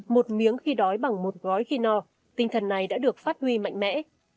một miếng khi đói bằng một gói khi no tinh thần này đã được phát huy mạnh mẽ